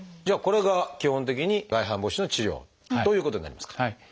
じゃあこれが基本的に外反母趾の治療ということになりますか？